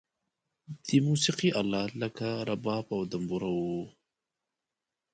د موسیقی آلات لکه رباب او دمبوره و.